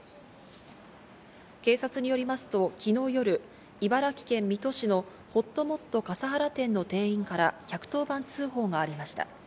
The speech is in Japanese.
警察によりますと、昨日夜、茨城県水戸市の「ほっともっと笠原店」の店員から１１０番通報がありました。